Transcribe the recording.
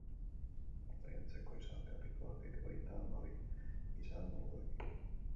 Uztai antzeko izar-gerrikoa ageri baita hamabi izar mordorekin